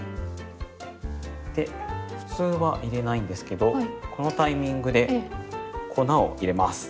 普通は入れないんですけどこのタイミングで粉を入れます。